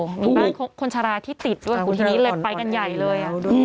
มีบ้านคนชะลาที่ติดด้วยทีนี้เลยไปกันใหญ่เลย